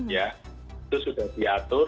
ya itu sudah diatur